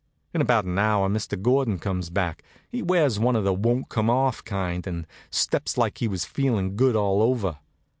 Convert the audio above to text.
In about an hour Mr. Gordon comes back. He wears one of the won't come off kind, and steps like he was feelin' good all over.